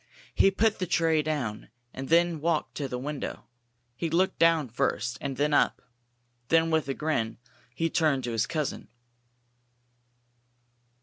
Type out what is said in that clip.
He put the tray down, and then walked to the window. He looked down first, and then up. Then with a grin, he turned to his cousin.